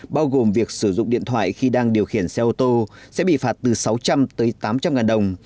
bao gồm việc sử dụng điện thoại khi đang điều khiển xe ô tô sẽ bị phạt từ sáu trăm linh tới tám trăm linh ngàn đồng